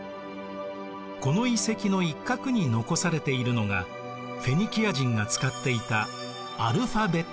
この遺跡の一角に残されているのがフェニキア人が使っていたアルファベット。